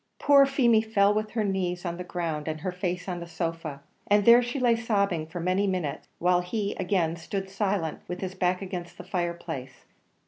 Poor Feemy fell with her knees on the ground and her face on the sofa, and there she lay sobbing for many minutes, while he again stood silent with his back against the fireplace.